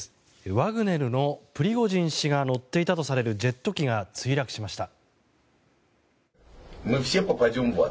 ワグネルのプリゴジン氏が乗っていたとされるジェット機が墜落しました。